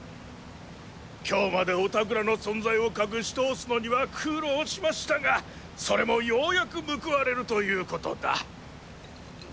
今日までおたくらの存在を隠し通すのには苦労しましたがそれもようやく報われるということだ。